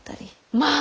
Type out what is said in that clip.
まあ！